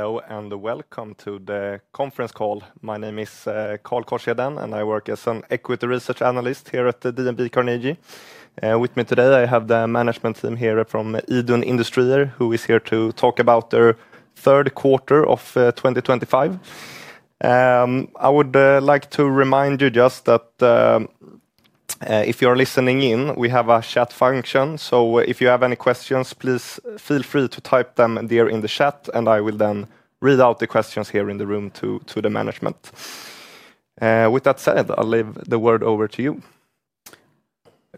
Hello, and welcome to the conference call. My name is Karl Korsheden, and I work as an Equity Research Analyst here at D&B Carnegie. With me today, I have the management team here from Idun Industrier, who is here to talk about their third quarter of 2025. I would like to remind you just that if you are listening in, we have a chat function. If you have any questions, please feel free to type them there in the chat, and I will then read out the questions here in the room to the management. With that said, I'll leave the word over to you.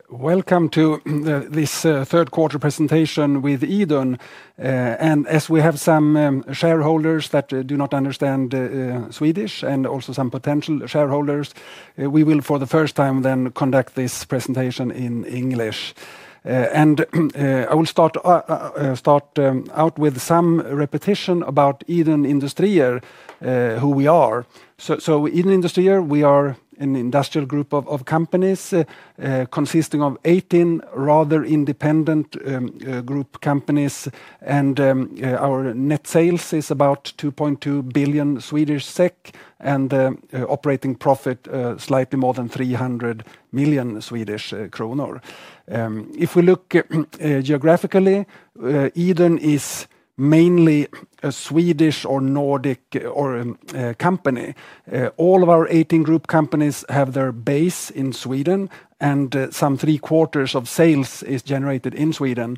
Welcome to this third quarter presentation with Idun. As we have some shareholders that do not understand Swedish and also some potential shareholders, we will for the first time conduct this presentation in English. I will start out with some repetition about Idun Industrier, who we are. Idun Industrier, we are an industrial group of companies consisting of 18 rather independent group companies. Our net sales is about 2.2 billion Swedish SEK and operating profit slightly more than 300 million Swedish kronor. If we look geographically, Idun is mainly a Swedish or Nordic company. All of our 18 group companies have their base in Sweden, and some three quarters of sales is generated in Sweden.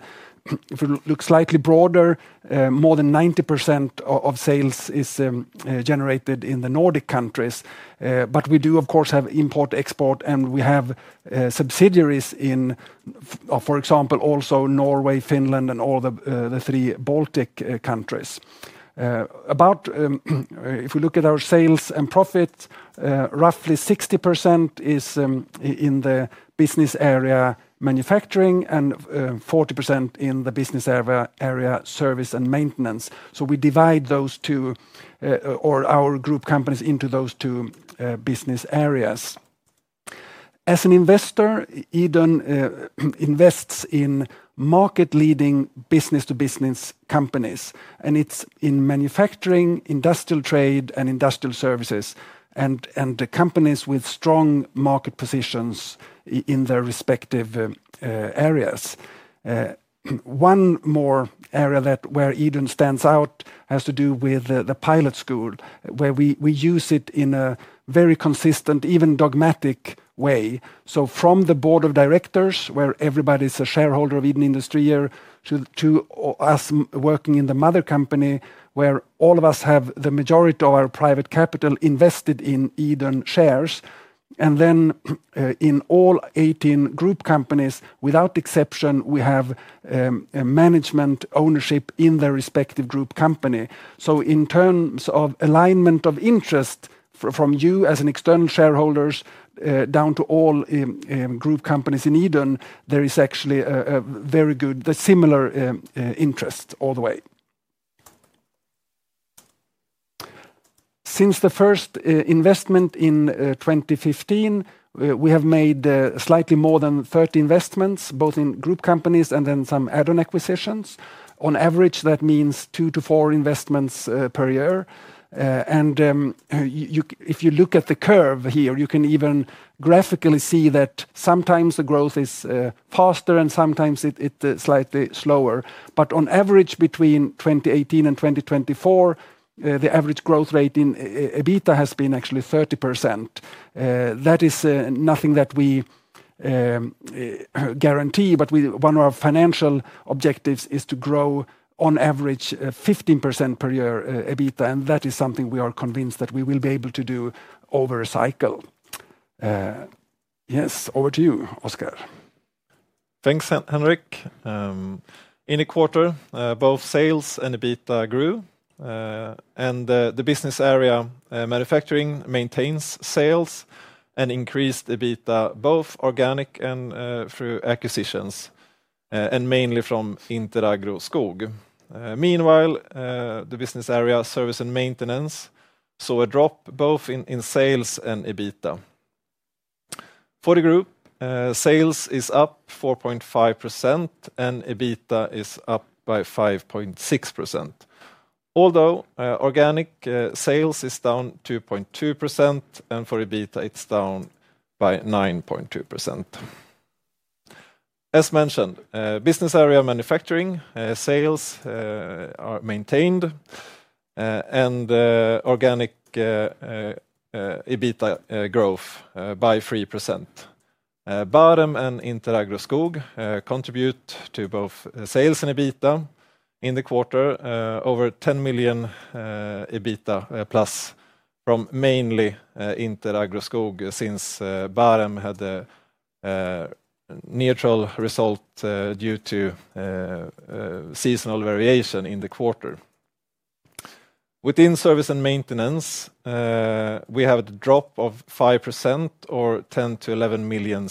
If we look slightly broader, more than 90% of sales is generated in the Nordic countries. We do, of course, have import-export, and we have subsidiaries in, for example, also Norway, Finland, and all the three Baltic countries. If we look at our sales and profits, roughly 60% is in the business area manufacturing and 40% in the business area service and maintenance. We divide those two or our group companies into those two business areas. As an investor, Idun invests in market-leading business-to-business companies, and it's in manufacturing, industrial trade, and industrial services, and companies with strong market positions in their respective areas. One more area where Idun stands out has to do with the pilot school, where we use it in a very consistent, even dogmatic way. From the board of directors, where everybody is a shareholder of Idun Industrier, to us working in the mother company, where all of us have the majority of our private capital invested in Idun shares. In all 18 group companies, without exception, we have management ownership in their respective group company. In terms of alignment of interest from you as an external shareholder down to all group companies in Idun, there is actually a very good, similar interest all the way. Since the first investment in 2015, we have made slightly more than 30 investments, both in group companies and then some add-on acquisitions. On average, that means two to four investments per year. If you look at the curve here, you can even graphically see that sometimes the growth is faster and sometimes it's slightly slower. On average, between 2018 and 2024, the average growth rate in EBITDA has been actually 30%. That is nothing that we guarantee, but one of our financial objectives is to grow on average 15% per year EBITDA, and that is something we are convinced that we will be able to do over a cycle. Yes, over to you, Oskar. Thanks, Henrik. In a quarter, both sales and EBITDA grew, and the business area Manufacturing maintains sales and increased EBITDA, both organic and through acquisitions, and mainly from Interagro Skog. Meanwhile, the business area Service & Maintenance saw a drop both in sales and EBITDA. For the group, sales is up 4.5% and EBITDA is up by 5.6%. Although organic sales is down 2.2% and for EBITDA it's down by 9.2%. As mentioned, business area Manufacturing sales are maintained and organic EBITDA growth by 3%. Bottom and Interagro Skog contribute to both sales and EBITDA. In the quarter, over 10 million EBITDA plus from mainly Interagro Skog since Bottom had a neutral result due to seasonal variation in the quarter. Within Service & Maintenance, we have a drop of 5% or 10 to 11 million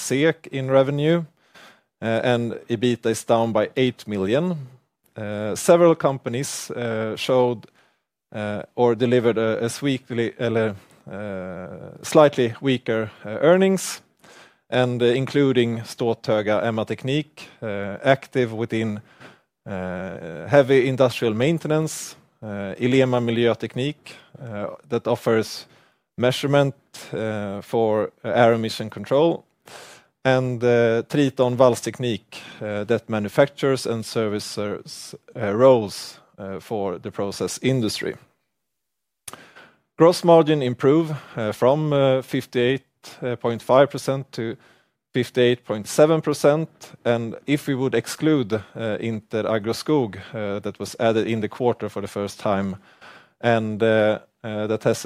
in revenue, and EBITDA is down by 8 million. Several companies showed or delivered slightly weaker earnings, including Ståthöga MA Teknik, active within heavy industrial maintenance, ILEMA Miljöteknik that offers measurement for air emission control, and Triton Valsteknik that manufactures and services rows for the process industry. Gross margin improved from 58.5% to 58.7%. If we would exclude Interagro Skog that was added in the quarter for the first time, and that has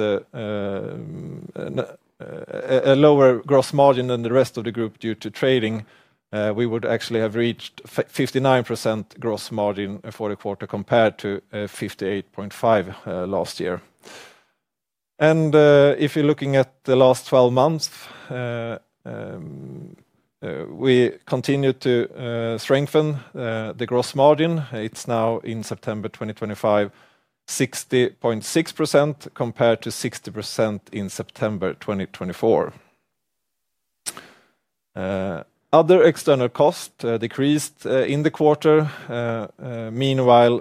a lower gross margin than the rest of the group due to trading, we would actually have reached 59% gross margin for the quarter compared to 58.5% last year. If you're looking at the last 12 months, we continue to strengthen the gross margin. It's now in September 2025, 60.6% compared to 60% in September 2024. Other external costs decreased in the quarter. Meanwhile,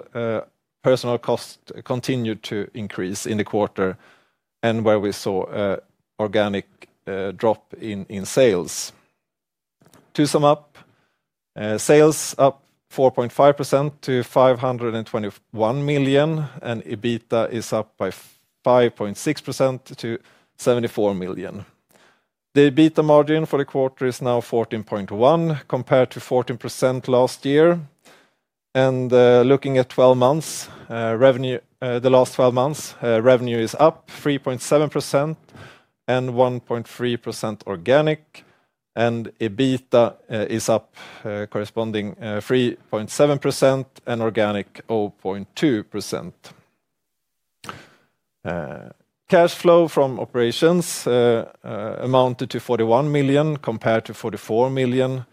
personnel costs continued to increase in the quarter and where we saw an organic drop in sales. To sum up, sales up 4.5% to 521 million and EBITDA is up by 5.6% to 74 million. The EBITDA margin for the quarter is now 14.1% compared to 14% last year. Looking at the last 12 months, revenue is up 3.7% and 1.3% organic, and EBITDA is up corresponding 3.7% and organic 0.2%. Cash flow from operations amounted to 41 million compared to 44 million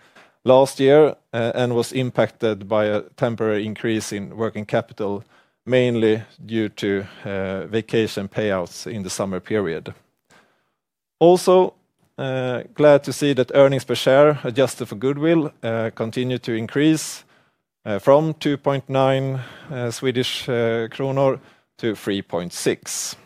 last year and was impacted by a temporary increase in working capital, mainly due to vacation payouts in the summer period. Also, glad to see that earnings per share adjusted for goodwill continue to increase from 2.9 Swedish kronor to SEK 3.6.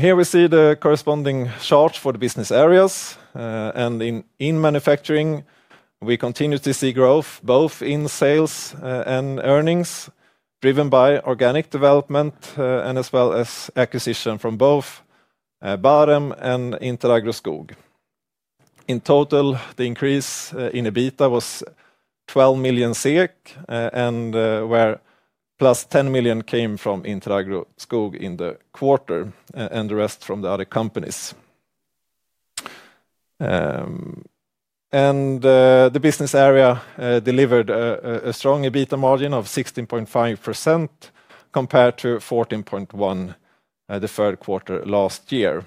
Here we see the corresponding charts for the business areas. In manufacturing, we continue to see growth both in sales and earnings, driven by organic development as well as acquisition from both Bottom and Interagro Skog. In total, the increase in EBITDA was 12 million, where 10 million came from Interagro Skog in the quarter and the rest from the other companies. The business area delivered a strong EBITDA margin of 16.5% compared to 14.1% in the third quarter last year.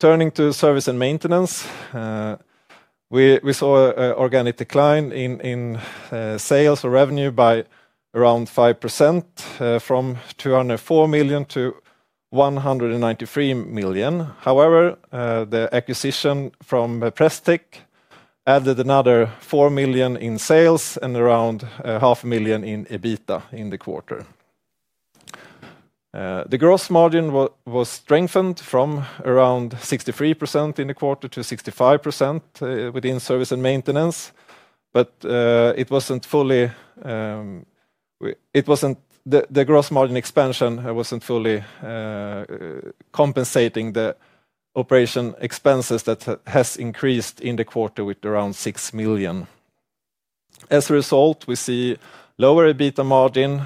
Turning to service and maintenance, we saw an organic decline in sales or revenue by around 5%, from 204 million to 193 million. However, the acquisition from Prestek added another 4 million in sales and around 0.5 million in EBITDA in the quarter. The gross margin was strengthened from around 63% in the quarter to 65% within service and maintenance, but it wasn't fully compensating the operating expenses that have increased in the quarter by around 6 million. As a result, we see a lower EBITDA margin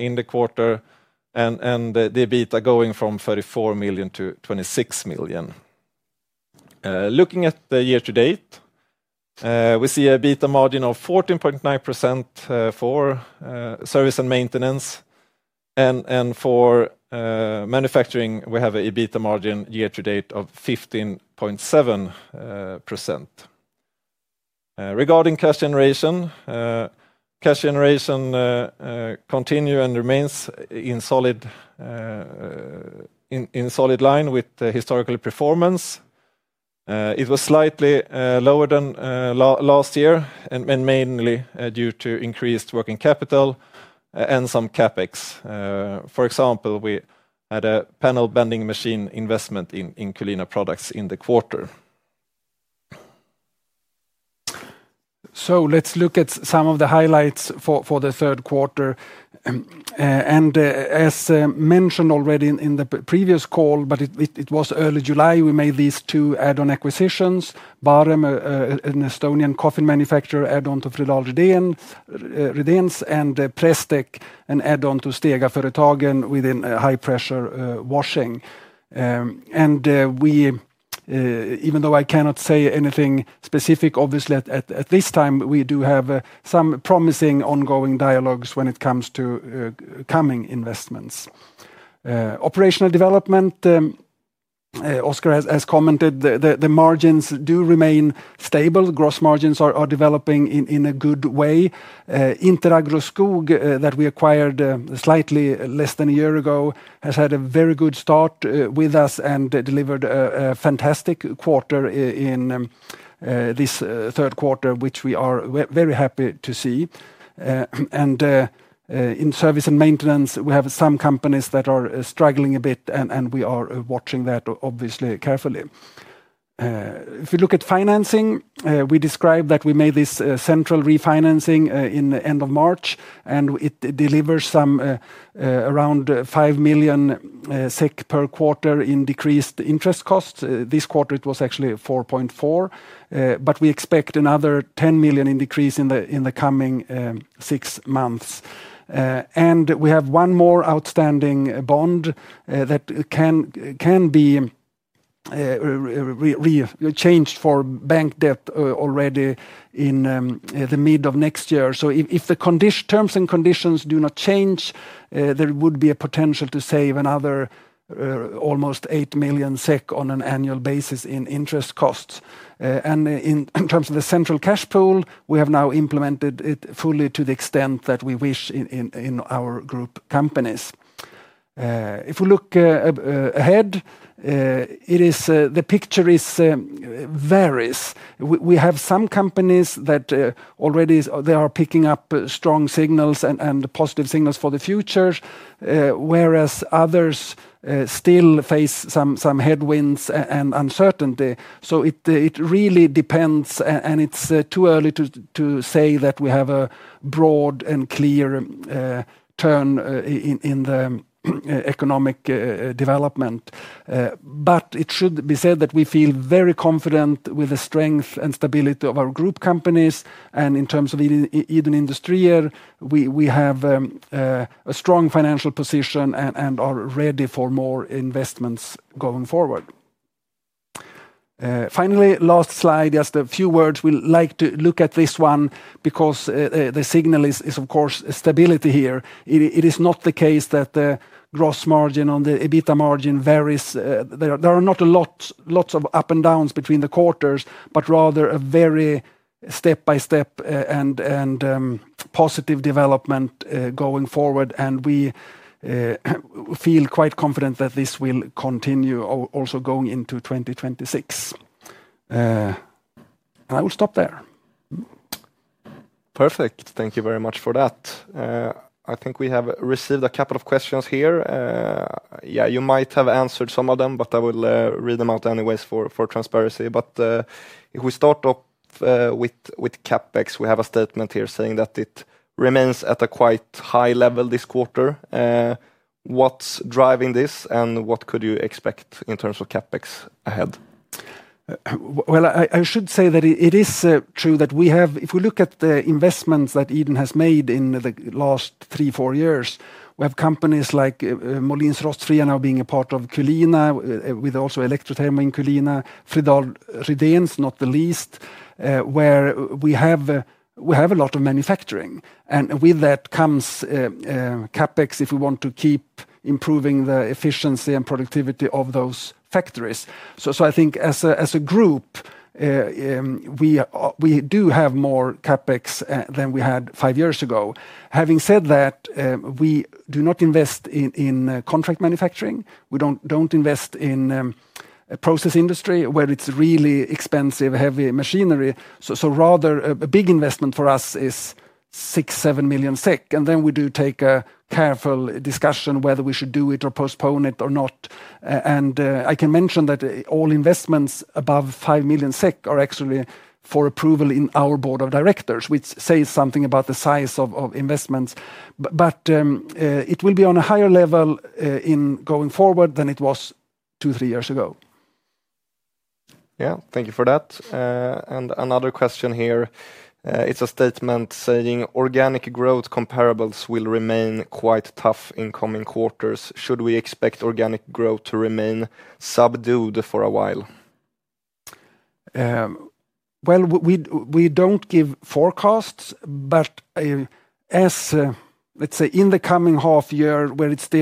in the quarter and the EBITDA going from 34 million to 26 million. Looking at the year to date, we see an EBITDA margin of 14.9% for service and maintenance. For manufacturing, we have an EBITDA margin year to date of 15.7%. Regarding cash generation, cash generation continues and remains in solid line with historical performance. It was slightly lower than last year, mainly due to increased working capital and some capex. For example, we had a panel bending machine investment in Kulina Products in the quarter. Let's look at some of the highlights for the third quarter. As mentioned already in the previous call, but it was early July, we made these two add-on acquisitions: Bottom, an Estonian coffee manufacturer, add-on to Frilal Rideens, and Prestek, an add-on to Stegaföretagen within high-pressure washing. Even though I cannot say anything specific, obviously at this time, we do have some promising ongoing dialogues when it comes to coming investments. Operational development, Oskar has commented, the margins do remain stable. Gross margins are developing in a good way. Interagro Skog that we acquired slightly less than a year ago has had a very good start with us and delivered a fantastic quarter in this third quarter, which we are very happy to see. In Service & Maintenance, we have some companies that are struggling a bit, and we are watching that obviously carefully. If we look at financing, we described that we made this central refinancing in the end of March, and it delivers around 5 million SEK per quarter in decreased interest costs. This quarter it was actually 4.4%, but we expect another 10 million in decrease in the coming six months. We have one more outstanding bond that can be changed for bank debt already in the middle of next year. If the terms and conditions do not change, there would be a potential to save another almost 8 million SEK on an annual basis in interest costs. In terms of the central cash pool, we have now implemented it fully to the extent that we wish in our group companies. If we look ahead, the picture varies. We have some companies that already are picking up strong signals and positive signals for the future, whereas others still face some headwinds and uncertainty. It really depends, and it's too early to say that we have a broad and clear turn in the economic development. It should be said that we feel very confident with the strength and stability of our group companies. In terms of Idun Industrier, we have a strong financial position and are ready for more investments going forward. Finally, last slide, just a few words. We like to look at this one because the signal is, of course, stability here. It is not the case that the gross margin or the EBITDA margin varies. There are not lots of up and downs between the quarters, but rather a very step-by-step and positive development going forward. We feel quite confident that this will continue also going into 2026. I will stop there. Perfect. Thank you very much for that. I think we have received a couple of questions here. You might have answered some of them, but I will read them out anyways for transparency. If we start off with capex, we have a statement here saying that it remains at a quite high level this quarter. What's driving this and what could you expect in terms of capex ahead? It is true that if we look at the investments that Idun Industrier has made in the last three, four years, we have companies like Molins Rostfria now being a part of Kulina, with also Electrothermo in Kulina, Frilal Rideens, not the least, where we have a lot of manufacturing. With that comes capex if we want to keep improving the efficiency and productivity of those factories. I think as a group, we do have more capex than we had five years ago. Having said that, we do not invest in contract manufacturing. We don't invest in a process industry where it's really expensive, heavy machinery. Rather, a big investment for us is 6 million, 7 million SEK. We do take a careful discussion whether we should do it or postpone it or not. I can mention that all investments above 5 million SEK are actually for approval in our board of directors, which says something about the size of investments. It will be on a higher level going forward than it was two, three years ago. Thank you for that. Another question here. It's a statement saying, "Organic growth comparables will remain quite tough in coming quarters. Should we expect organic growth to remain subdued for a while? We don't give forecasts, but as let's say in the coming half year where it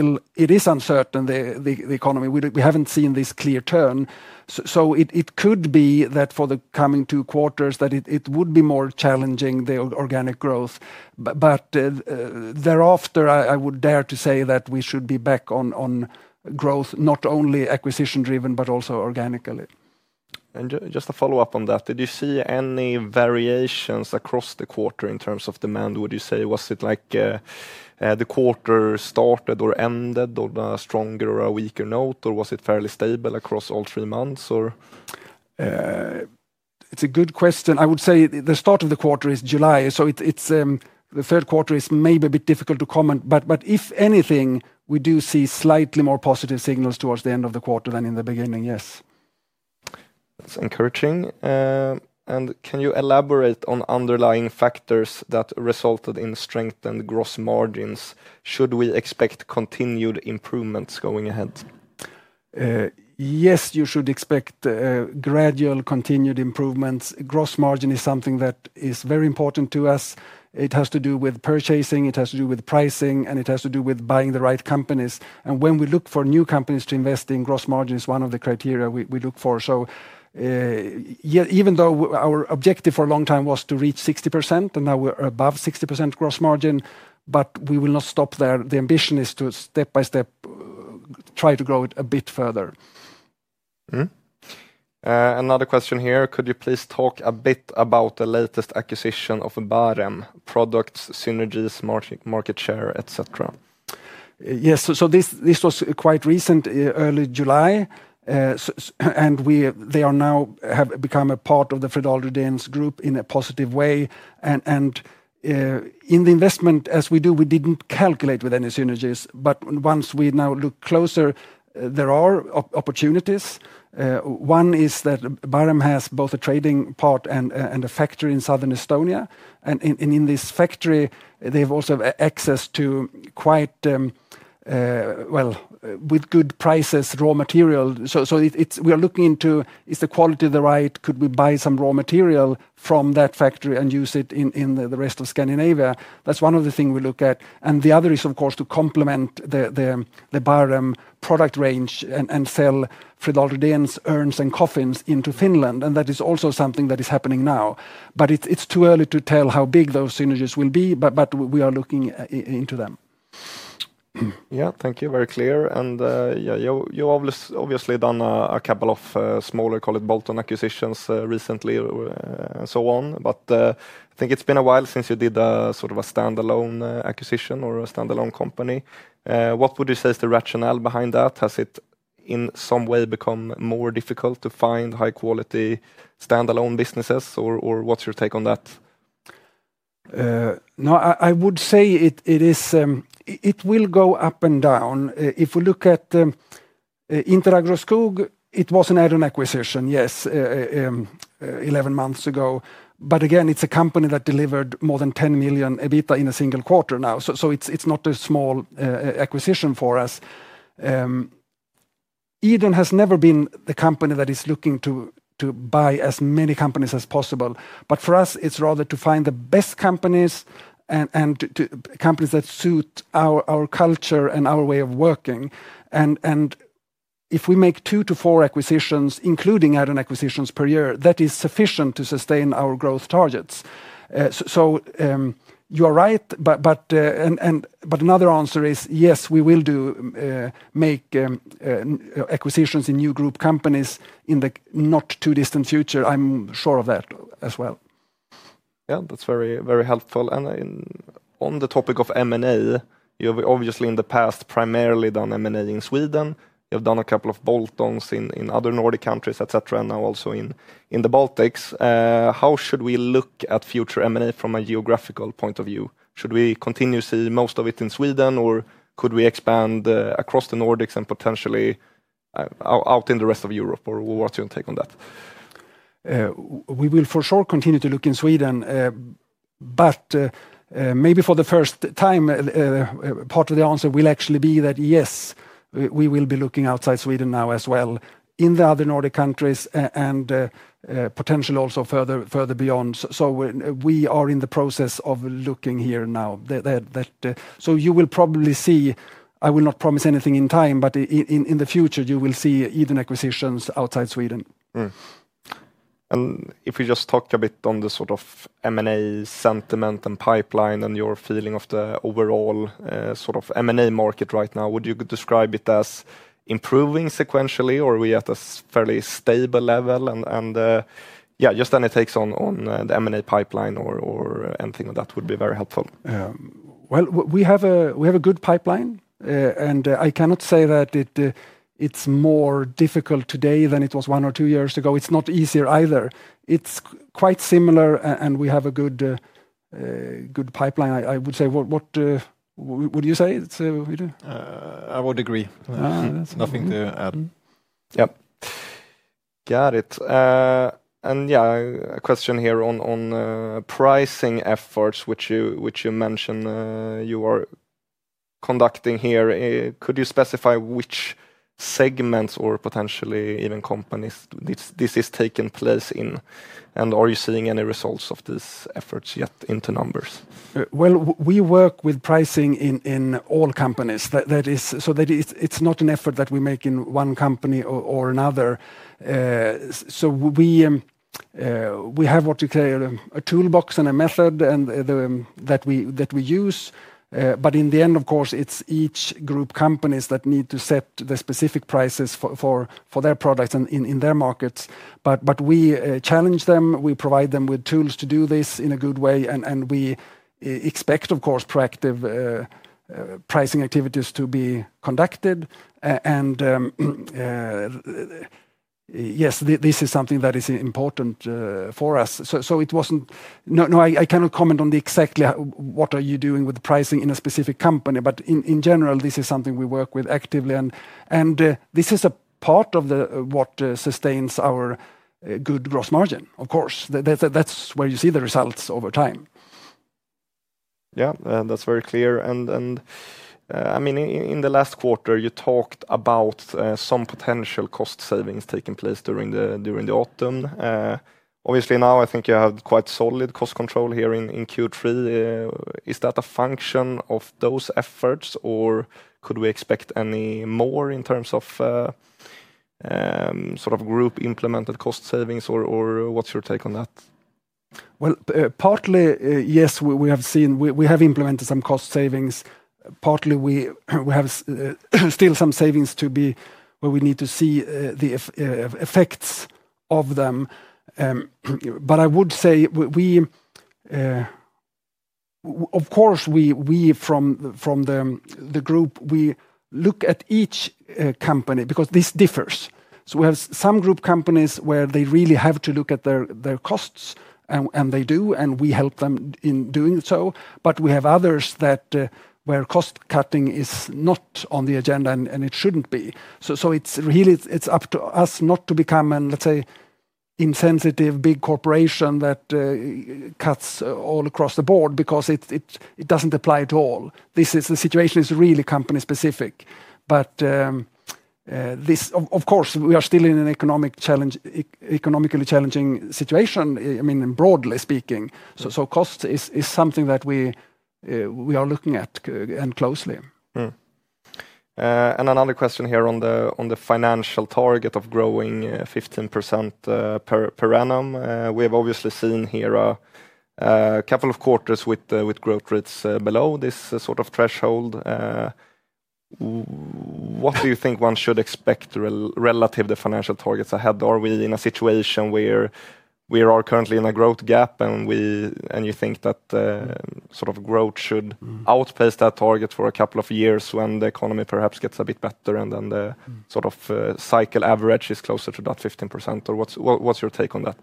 is uncertain, the economy, we haven't seen this clear turn. It could be that for the coming two quarters it would be more challenging for the organic growth. Thereafter, I would dare to say that we should be back on growth, not only acquisition-driven, but also organically. Just to follow up on that, did you see any variations across the quarter in terms of demand? Would you say was it like the quarter started or ended on a stronger or a weaker note, or was it fairly stable across all three months? It's a good question. I would say the start of the quarter is July. The third quarter is maybe a bit difficult to comment, but if anything, we do see slightly more positive signals towards the end of the quarter than in the beginning, yes. That's encouraging. Can you elaborate on underlying factors that resulted in strengthened gross margins? Should we expect continued improvements going ahead? Yes, you should expect gradual continued improvements. Gross margin is something that is very important to us. It has to do with purchasing, it has to do with pricing, and it has to do with buying the right companies. When we look for new companies to invest in, gross margin is one of the criteria we look for. Even though our objective for a long time was to reach 60%, and now we're above 60% gross margin, we will not stop there. The ambition is to step by step try to grow it a bit further. Another question here. Could you please talk a bit about the latest acquisition of Bottom? Products, synergies, market share, etc. Yes, this was quite recent, early July. They are now becoming a part of the Frilal Rideens group in a positive way. In the investment, as we do, we didn't calculate with any synergies. Once we now look closer, there are opportunities. One is that Bottom has both a trading part and a factory in southern Estonia. In this factory, they have also access to quite, well, with good prices, raw material. We are looking into, is the quality the right? Could we buy some raw material from that factory and use it in the rest of Scandinavia? That's one of the things we look at. The other is, of course, to complement the Bottom product range and sell Frilal Rideens urns and coffins into Finland. That is also something that is happening now. It's too early to tell how big those synergies will be, but we are looking into them. Thank you. Very clear. You obviously have done a couple of smaller, call it bolt-on acquisitions recently and so on. I think it's been a while since you did a sort of a standalone acquisition or a standalone company. What would you say is the rationale behind that? Has it in some way become more difficult to find high-quality standalone businesses? What's your take on that? No, I would say it will go up and down. If we look at Interagro Skog, it was an add-on acquisition, yes, 11 months ago. Again, it's a company that delivered more than $10 million EBITDA in a single quarter now. It's not a small acquisition for us. Idun Industrier AB has never been the company that is looking to buy as many companies as possible. For us, it's rather to find the best companies and companies that suit our culture and our way of working. If we make two to four acquisitions, including add-on acquisitions per year, that is sufficient to sustain our growth targets. You are right. Another answer is, yes, we will do make acquisitions in new group companies in the not-too-distant future. I'm sure of that as well. That's very, very helpful. On the topic of M&A, you have obviously in the past primarily done M&A in Sweden. You have done a couple of bolt-ons in other Nordic countries, etc., and now also in the Baltics. How should we look at future M&A from a geographical point of view? Should we continue to see most of it in Sweden, or could we expand across the Nordics and potentially out in the rest of Europe? What's your take on that? We will for sure continue to look in Sweden, but maybe for the first time, part of the answer will actually be that, yes, we will be looking outside Sweden now as well, in the other Nordic countries, and potentially also further beyond. We are in the process of looking here now. You will probably see, I will not promise anything in time, but in the future, you will see Idun acquisitions outside Sweden. If we just talk a bit on the sort of M&A sentiment and pipeline and your feeling of the overall sort of M&A market right now, would you describe it as improving sequentially, or are we at a fairly stable level? Any takes on the M&A pipeline or anything of that would be very helpful. We have a good pipeline, and I cannot say that it's more difficult today than it was one or two years ago. It's not easier either. It's quite similar, and we have a good pipeline, I would say. What would you say? I would agree. There's nothing to add. Got it. A question here on pricing efforts, which you mentioned you are conducting here. Could you specify which segments or potentially even companies this is taking place in? Are you seeing any results of these efforts yet into numbers? We work with pricing in all companies. It's not an effort that we make in one company or another. We have what you call a toolbox and a method that we use. In the end, of course, it's each group company that needs to set the specific prices for their products in their markets. We challenge them. We provide them with tools to do this in a good way. We expect, of course, proactive pricing activities to be conducted. Yes, this is something that is important for us. I cannot comment on exactly what are you doing with pricing in a specific company. In general, this is something we work with actively. This is a part of what sustains our good gross margin, of course. That's where you see the results over time. That's very clear. In the last quarter, you talked about some potential cost savings taking place during the autumn. Obviously, now I think you have quite solid cost control here in Q3. Is that a function of those efforts, or could we expect any more in terms of group implemented cost savings, or what's your take on that? Partly, yes, we have seen, we have implemented some cost savings. Partly, we have still some savings to be where we need to see the effects of them. I would say we, of course, from the group, we look at each company because this differs. We have some group companies where they really have to look at their costs, and they do, and we help them in doing so. We have others where cost cutting is not on the agenda, and it shouldn't be. It's really up to us not to become an, let's say, insensitive big corporation that cuts all across the board because it doesn't apply to all. This situation is really company specific. Of course, we are still in an economically challenging situation, broadly speaking. Cost is something that we are looking at closely. Another question here on the financial target of growing 15% per annum. We have obviously seen here a couple of quarters with growth rates below this sort of threshold. What do you think one should expect relative to the financial targets ahead? Are we in a situation where we are currently in a growth gap, and you think that sort of growth should outpace that target for a couple of years when the economy perhaps gets a bit better and then the sort of cycle average is closer to that 15%? What's your take on that?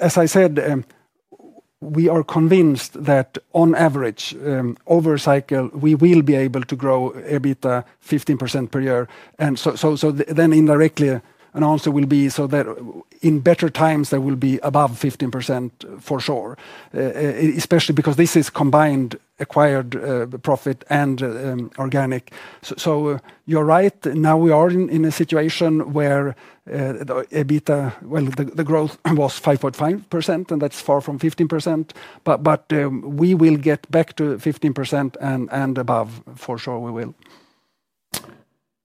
As I said, we are convinced that on average, over a cycle, we will be able to grow EBITDA 15% per year. Then indirectly, an answer will be that in better times, there will be above 15% for sure, especially because this is combined acquired profit and organic. You're right. Now we are in a situation where EBITDA, the growth was 5.5%, and that's far from 15%. We will get back to 15% and above, for sure we will.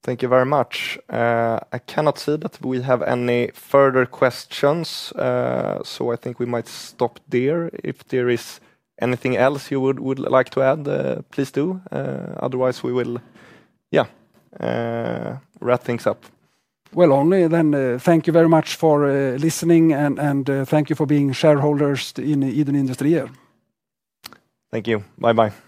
Thank you very much. I cannot see that we have any further questions. I think we might stop there. If there is anything else you would like to add, please do. Otherwise, we will wrap things up. Thank you very much for listening, and thank you for being shareholders in Idun Industrier. Thank you. Bye-bye.